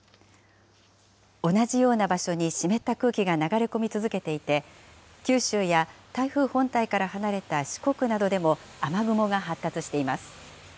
同じような場所に湿った空気が流れ込み続けていて、九州や、台風本体から離れた四国などでも、雨雲が発達しています。